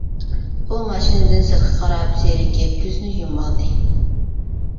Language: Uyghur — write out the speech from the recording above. ئۇ ماشىنىدىن سىرتقا قاراپ زېرىكىپ كۆزىنى يۇمۇۋالدى.